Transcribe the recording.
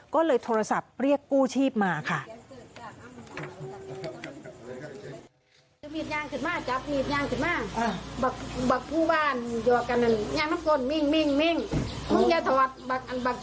ก็เลยโทรศัพท์เรียกกู้ชีพมาค่ะ